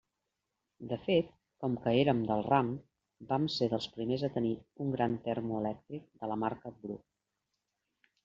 De fet, com que érem del ram, vam ser dels primers a tenir un gran termo elèctric, de la marca Bru.